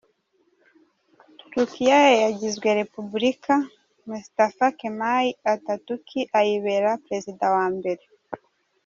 Turukiya yagizwe Repubulika, Mustafa Kemal Atatürk ayibera Perezida wa mbere.